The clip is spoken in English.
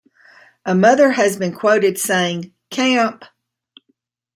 A mother has been quoted saying, Camp!